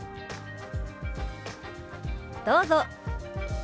どうぞ。